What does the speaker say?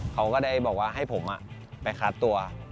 เขาก็ได้บอกว่าให้ผมไปคัดตัว